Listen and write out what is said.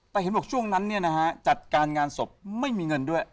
แต่เห็นบอกช่วงนั้นเนี่ยนะฮะจัดการงานศพไม่มีเงินด้วย